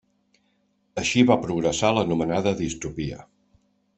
Així va progressar l'anomenada distopia.